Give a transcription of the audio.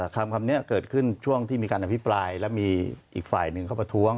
คำนี้เกิดขึ้นช่วงที่มีการอภิปรายแล้วมีอีกฝ่ายหนึ่งเขาประท้วง